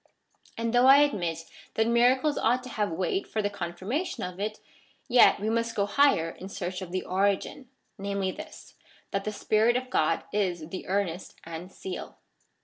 And though I admit that miracles ought to have weight for the confirmation of it, yet we must go higher in search of the origin, namely this, that the Spirit of God is the earnest and seal.